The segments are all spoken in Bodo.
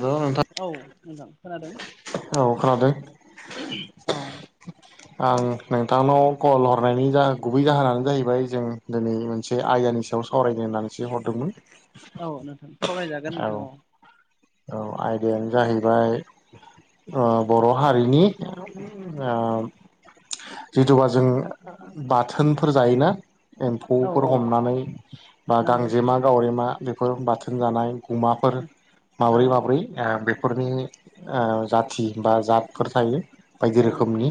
हेल' नोंथां औ नोंथां खोनादों? औ खोनादों औ। [inaudible] आं नोंथांनाव कल हरनायनि जा गुबै जाहोनानो जाहैबाय जों दोनै मोनसे आयदानिस साव सावरायनो होननानैसो हरदोंमोन। हागोन नोंथां औ। औ आयदायानो जाहैबाय ओ बर' हारिनि [unintelligible] जिथुबा जों बाथोनफोर जायोना औ एम्फौफोर औ हमनानै बा नंगौ गांजेमा गावरेमा बेफोर बाथोन जानाय गुमाफोर औ माब्रै माब्रै ओ बेफोरनि ओ जाथि बा जातफोर थायो। बायदि औ रोखोमनि।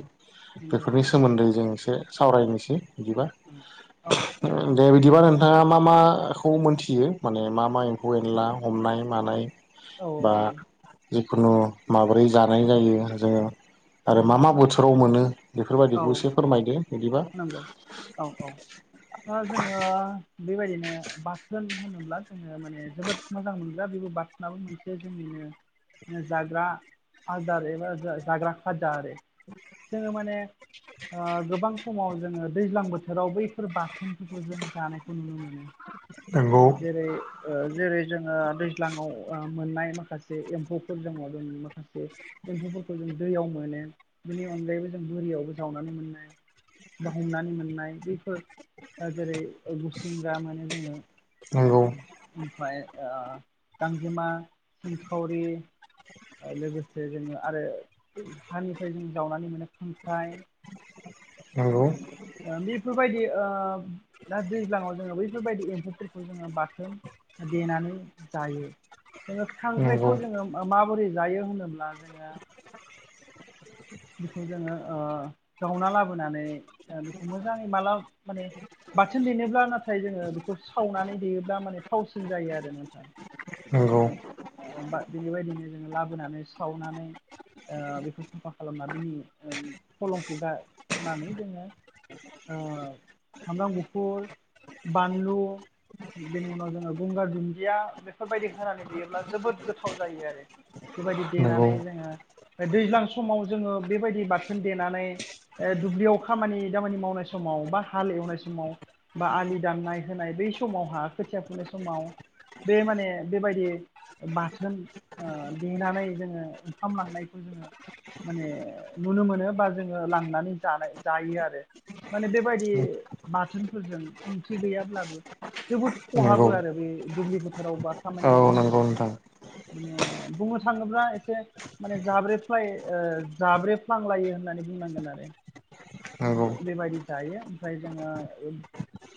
नंगौ बेफोरनि सोमोन्दै जों एसे सावरायनिसै। बिदिबा। औ औ दे बिदिबा नों थाङा मा माखौ मोनथियो माने मा मा एम्फौ एनला हमनाय मानाय? औ बा जिखुनु माब्रै जानाय जायो जोङो? आरो मा उम मा बोथोराव मोनो बेफोर बायदिखौबो एसे फोरमायदो। बिदिबा नोंगौ औ औ। दा जोङो बेबायदिनो बाथोन होनोब्ला जोङो माने जोबोद मोजां मोनग्रा बेबो बाथोनाबो मोनसे जोंनिनो जाग्रा आदार एबा जा-जाग्रा खाजा आरो। जोङो माने ओ गोबां समाव जोङो दैज्लां बोथोराव बैफोर बाथोनफोरखौ जों जानायखौ नुनो मोनो। नंगौ ओ जेरै ओ जेरै जोङो दैज्लाङाव ओ मोन्नाय माखासे एम्फौफोर दङ जोंनि माखासे एम्फौफोरखौ जों दैयाव मोनो। बिनि अनगायैबो जों बोरियावबो जावनानै मोननाय बा हमनानै मोननाय बैफोर ओ जेरै ओ गुसिंग्रा मोने जोङो। नोंगौ। ओमफ्राय ओ गांजेमा सिंखावरि ओ लोगोसे जोङो आरो हानिफ्राय जों जावनानै मोनो खांख्राइ। नोंगौ। ओ बिफो फोरबायदि ओ दा दैज्लाङाव जोङो बैफोरबायदि एम्फौफोरखौ जोङो बाथोन ओ देनानै जायो। जोङो नंगौ खांख्राइखौ जोङो माबोरै जायो होनोब्ला जोङो बिखौ जोङो ओ जावना लाबोनानै ओ बिखौ मोजाङै माला माने बाथोन देनोब्ला नाथाय जोङो बेखौ सावनानै देयोब्ला माने थावसिन जायो आरो नोंथां। नोंगौ। माने ओ ओमबा बेदिबायदिनो जोङो लाबोनानै सावनानै ओ बेखौ साफा खालामना बिनि ओम फलंखौ गार नानै जोङो ओ सामब्राम गुफुर बानलु बेनि उनाव जोङो गंगार दुन्दिया बेफोरबायदि होनानै देयोब्ला जोबोद गोथाव जायो आरो। बेबायदि नंगौ देनानै जोङो ओ दैज्लां समाव जोङो बेबायदि बाथोन देनानै ओ दुब्लियाव खामानि दामानि मावनाय समाव बा हाल एवनाय समाव बा आलि दाननाय होनाय बै समावहा खोथिया फुनाय समाव बे माने बेबायदि बाथोन देनानै जोङो ओंखाम लांनायखौ जोङो [inaudible] माने नुनो मोनो बा जोङो लांनानै जानाय जायो आरो। माने बेबायदि बाथोनफोरजों ओंथि गैयाब्लाबो जोबोद नंगौ खहाबो आरो बे दुब्लि फोथाराव बा खामानि औ मावनाय नंगौ समावहा नोंथां। माने बुंनो थाङोब्ला एसे माने जाब्रे फ्लाय जाब्रेफ्लांलायो होननानै बुंनांगोन आरो। नंगौ बेबायदि जायो ओमफ्राय जोङो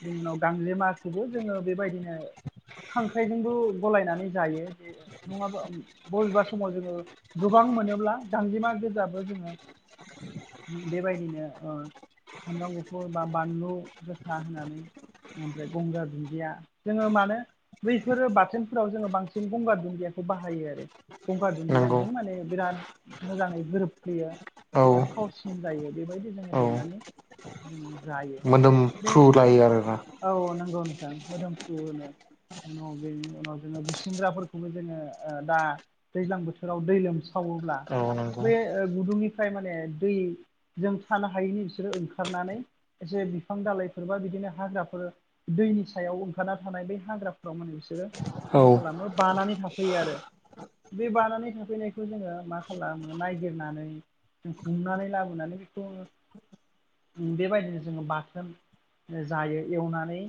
बिनि उनाव गांगलिमाखौबो जोङो बेबायदिनो खांख्राइजोंबो गलायनानै जायो जे नङाबा बबेबा समाव जोङो गोबां मोनोब्ला गांजेमा गोजाबो जोङो बेबायदिनो ओ [inaudible] सामब्राम गुफुर बा बानलु गोसा होनानै ओमफ्राय गंगार दुन्दिया जोङो मानो बैफोरो बाथोनफोराव जोङो बांसिन गंगार दुन्दिया बाहायो आरो गंगार दुन्दिया नंगौ जों माने बिराद मोजाङै गोरोबफैयो। औ थावसिन जायो बेबायदि जो औ देनानै जोङो जायो बे मोदोमफ्रु लायो आरोना औ नंगौ नोंथां मदोमफ्रुनो उनाव बेनि उनाव जोङो बुसिंग्राफोरखौबो जोङो ओ दा दैज्लां बोथोराव दै लोमसाव अब्ला औ नंगौ बे गुदुंनिफ्राय माने दै थानो हायिनि बिसोरो ओंखारनानै एसे बिफां दाालइफोर बा बिदिनो हाग्राफोर दैनि सायाव ओंखारना थानाय बै हाग्राफ्राव माने बिसोरो औ मा खालामो बानानै थाफैयो आरो बे बानानै थाफैनायखौ जोङो मा खालामो नायगिरनानै हमनानै लाबोनानै बेखौ बेबायदिनो जोङो बाथोन जायो एवनानै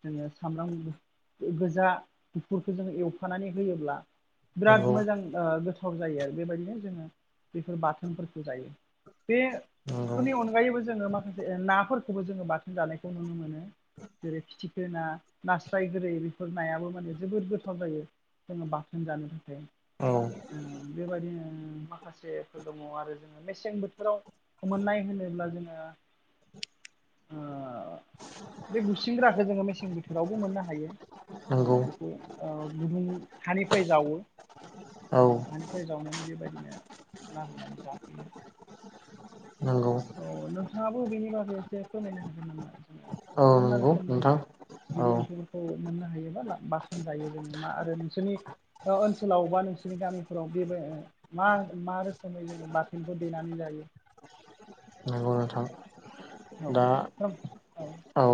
जोङो सामब्राम गोजा गुफुरखौ जोङो एवफानानै होयोब्ला बिराद नंगौ मोजां ओ गोथाव जायो आरो बेबायदिनो जोङो बेफोर बाथोनफोरखौ जायो। नंगौ बेफोरनि अनगायैबो जोङो माखासे नाफोरखौबो जोङो बाथोन जानायखौ नुनो मोनो। जेरै फिथिखो ना नास्राय गोरै बेफोर नायाबो माने जोबोद गोथाव जायो। जोङो बाथोन जानो थाखाय औ बेबायदिनो माखासेफोर दङ आरो जोङो मेसें बोथोराव मोननाय होनोब्ला जोङो। ओ [inaudible] बे बुसिनग्राखो जोङो मेसें बोथोरावबो मोननो हायो। नंगौ बेखौ ओ गुबुं हानिफ्राय जावो। औ जों हानिफ्राय जावनानै बेबायदिनो लाबोनानै जाफैयो। नंगौ औ नोंथाङाबो बेनि बागै एसे फोरमायनो हागोन नामा औ ओ मा मा नंगौ रोखोमनि नोंथां औ बिदि एम्फौफोरखौ मोननो हायोबा बासोन जायो जोङो मा आरो नोंसोरनि ओनसोलाव बा नोंसोरनि गामिफोराव बे मा मा रोखोमै जोङो बाथोनखौ देनानै जायो। उम नंगौ नोंथां औ दा औ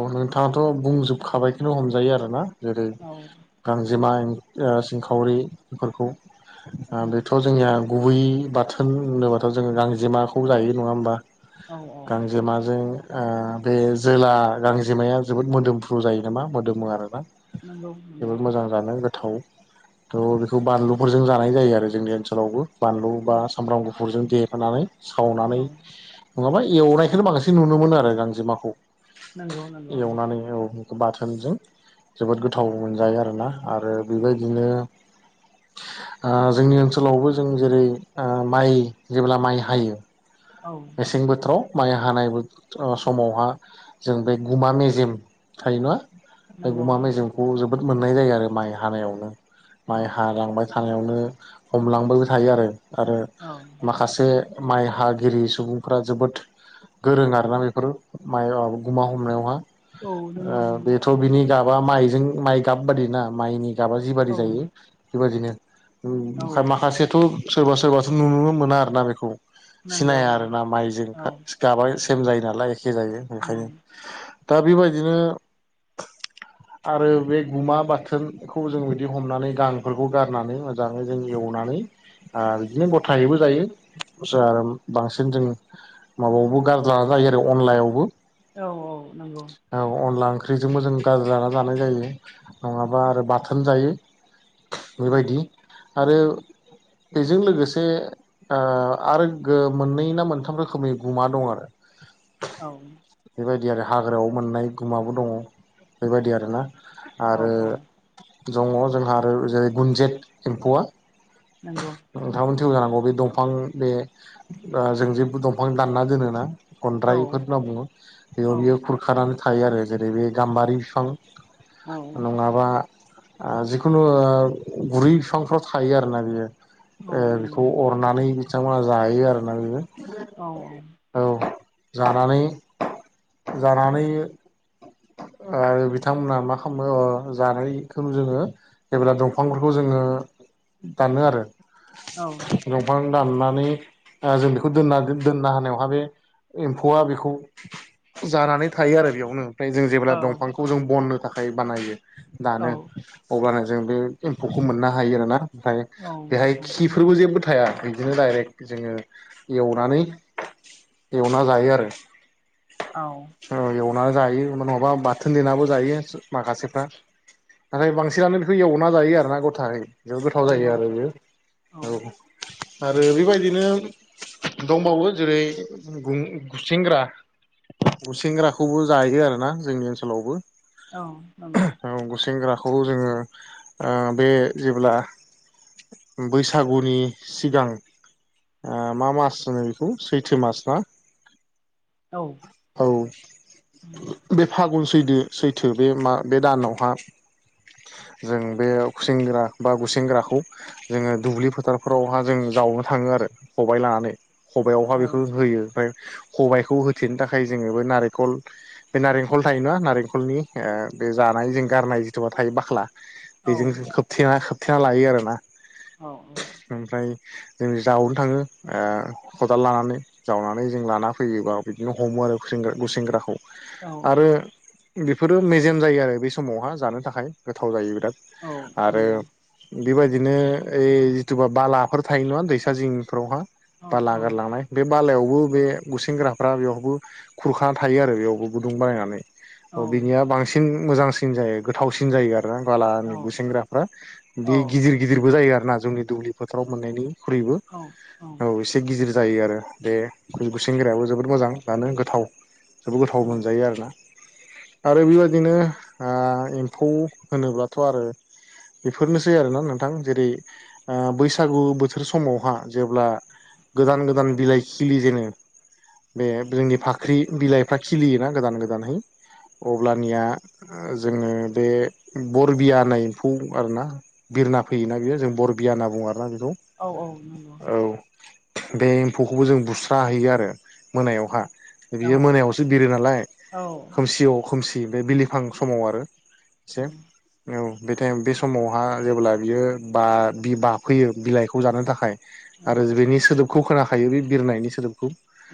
नोंथाङाथ' बुंजोबखाबायखौनो हमजायो आरोना जेरै औ गांजेमा ओ सिंखावरि बेफोरखौ नंगौ बेथ' जोंनिया गुबै बाथोन होनोबाथ' जोङो गांजेमाखौ जायो नङा होमबा? औ औ गांजे माजों ओ बे जोला गां बिमाया जोबोद मोदोमफ्रु जायो नामा मोदोमो आरोना नंगौ जोबोद नंगौ मोजां जानो। थाव थ' बेखौ बानलुफोरजों जानाय जायो आरो जोंनि ओनसोलावबो बानलु बा सामब्राम गुफुरजों देफानानै सावनानै औ औ नङाबा एवनायखोनो बांसिन नुनो मोनो आरो गांजेमाखौ नंगौ ना एवनानै बाथोनजों जोबोद गोथाव मोनजायो आरोना आरो औ बेबायदिनो ओ जोंनि ओनसोलावबो जों जेरै ओ माइ जेब्ला माइ हायो औ मेसें बोथोराव माइ हानायबो समावहा जों बे गुमा मेजेम थायो नङा नंगौ गमा मेेजेंखौ जोबोद मोननाय जायो आरो माइ हानायावनो औ माइ हालांबाय था ावनो हमलां थायो आरो आरो औ माखासे माइ हा गिरि सुबुंफोरा जोबोद गोरों आरोना बेफोर मा गुमा हमनायावहा औ नंगौ ओ नंगौ बेथ' बिनि गाबा माइजों माइ गाब बादि ना माइनि गाबा जिबादि औ जायो औ बेबायादिनो माखासेथ' सोरबा सोरबासो नुनो मोना आरो ना बेखौ नंगौ सिनाया आरो औ ना माइजों औ गाबाय सेम जायो नालाय एखे जायो औ ओंखायनो दा बेबायदिनो आरो बे गुमा बाथोनखौ जों बिदि हमनानै गांफोरखौ गारनानै मोजाङै जों एवो। संनानै आरो बिदिनो गथाहैबो जायो। [unintelligible] बांसिन जों माबायावबो गार जायो आरो अनलायावबो। औ औ नंगौ। औ अनला ओंख्रिजोंबो जों गाज्रि जाना जानाय जायो नङाबा आरो बाथोन जायो। उम बेबायदि आरो बेजों लोगोसे आरो मोननै ना मोनथाम रोखोमनि गुमा दं आरो औ बेदि आरो हाग्रायाव मोननाय गुमाबो दङ बेबायदि आरोना औ आरो औ दङ जोंहा आरो जेरै गुनजेत एम्फौआ नंगौ। नोंथांमोनथिबो जानांगौ बे दंफां बे जों ओ जेबो दंफां दानना दोनो ना औ गनद्रायफोर होनना बुङो औ बेयाव बियो खुरखानानै थायो आरो जेरै बे गाम्बारि बिफां औ नङाबा जिखुनु गुरै बिफांफोराव थायो आरोना बियो। ओ नंगौ बेखौ अरनानै बिथांमोना जायो आरोना बियो। औ औ जानानै जानानै आरो बिथांमोनहा मा खालामो जानायखौ जोङो जेब्ला दंफांफोरखौ जोङो दानो आरो औ दंफां दाननानै ओ जों बेखौ दोनना दोनना होनावहा बे एम्फौआ बेखौ जानानै थायो आरो बेयावनो। ओमफ्राय जों जेब्ला दंफांखौ जों बननो थाखाय बानायो दानो अब्लानो जों बे एम्फौखौ मोननो हायो आरोना ओमफ्राय औ बेहाय खिफोरबो जेबो थाया बिदिनो दडाइरेक्ट जोङो एवनानै एवना जायो आरो। औ एवना जायो नङाबा बाथोन देनाबो जायो माखासेफोरा नाथाय उम बेखौ एवना जायो आरो ना गथाहै गोथाव जायो नंगौ आरो इयो औ आरो बेबायदि बिदिनो दंबावो जेरै गु सेंग्रा गुसेेंग्राखौबो जायो आरोना जोंनि ओनसोलावबो औ नंगौ। खौ जोङो ओ बे जेब्ला बैसागुनि सिगां मा मास होनो बेखौ सैथो मास ना? औ औ उम बे फा गुन सैदो सैथो बे मा बे दानावहा जों बे गुसेंग्रा बा गुसेंग्राखौ जोङो दुब्लि फोथारफोरावहा जों जाव थाङो आरो खबाइ लानानै खबाइयावहा औ बेखौ होयो ओमफ्राय खबायखौ होथेनो थाखाय जोङोबो नारेंखल बे नारेंखल थाय नङा नारेंखलनि ओ बे जानाय जों गारनाय जिथुबा थायो बाख्ला औ बेजों खोबथेना खोबथेना लायो आरोना औ ओमफ्राय जों जावनो थाङो खदाल लानानै जावनानै जों लाना फैयोबा बिदिनो हमो आरो गु- गुसेेंग्राखौ आरो बेफोरो मेजेम जायो आरो बे समावहा जानो थाखाय गोथाव जायो। औ आरो नंगौ बेबायदिनो ओइ जिथुबा बालाफोर थायो नङा दैसा जिंफ्रावहा औ बाला औ गारलांनाय बे बालायावबो बे गुसेंग्राफ्रा बेयावबो खुरखाना थायो आरो बेयावबो गुदुं बानायनानै औ अ बिनिया बांसिन मोजांसिन जायो गोथावसिन जायो आरो आरो बालानि गुसेंग्राफ्रा बे गिदिर गिदिरबो जायो आरो ना जोंनि दुब्लि फोथाराव मोननायनि ख्रुयबो औ गिदिर जायो आरो बेु सेंग्रायाबो जोबोद मोजां थानो गोथाव जोबोद गोथाव औ मोनजायो आरो ना। आरो बेबायदिनो ओ एम्फौ होनोब्लाथ आरो बेफोरनोसै आरोना नोंथां जेरै बैसागु बोथोर समावहा जेब्ला गोदान गोदान बिलाइ खिलि जेनो बे जोंनि फाख्रि बिलाइफ्रा खिलियोना गोदान गोदानहै अब्लानिया जोङो बे बरबिया होननाय एम्फौ आरोना बिरना फैयोना बेयो जों बरबिया होन बुङो आरोना‌। औ औ नंगौ बे एम्फौखौबो जों बुस्राहैयो आरो मोनायावहा औ बियो मोनायावसो बिरो नालाय औ खोमसियाव खोमसि ओमफ्राय बिलिफां समाव आरो। से औ बे टाइम बे समावहा जेब्ला बियो बा बाफैयो बिलाइखौ जानो थाखाय बेनि सोदोबखौ खोनाखायो बे बिरनायनि सोदोबखौ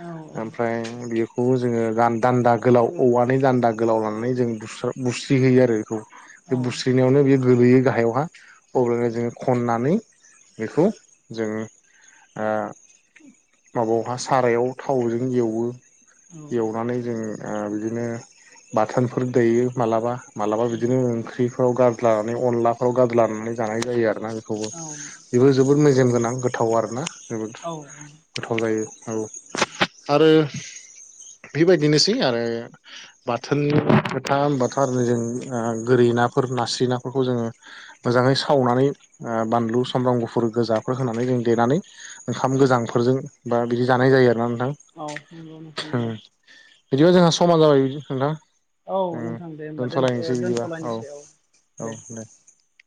औ ओमफ्राय बेयो बे खौबो जोङो गा दान्दा गोलाव औवानि दान्दा गोलाव लानानै जों बु बुस्रिहैयो आरो। औ बे बुस्रिनायावनो बे गोगलैयो गाहायावहा अब्लानो जोङो खननानै बेखौ जोङो ओ माबायावहा सारायाव थावजों एवो एवनानै जों बिदिनो बाथोनफोर दैयो माब्लाबा माब्लाबा बिदिनो ओंख्रिफ्राव गारज्लानानै अनलाफोराव गारज्लानानै जानाय जायो आरोना औ बेबो जोबोद मेजेम गोनां गोथाव आरोना जोबोद औ गोथाव जायो औ आरो बेबायदिनोसै आरो बाथोननि खोथा बाथ' आरो जों ओ गोरै ना फोर नास्रि नाफोरखौ जोङो मोजाङै सावनानै बानलु सामब्राम गुफुर गोजाफोर होनानै जों देनानै ओंखाम गोजांफोरजों बा बिदि जानाय जायो आरोना नों नंगौ नोंथां थां ओम नंगौ बिदिबा जोंहा समा जाबाय नोंथां। औ जों नोंथां दे होमबा दोन दोनथ'लायनोसै बिदिबा औ दोनथ'लायनोसै औ दे दे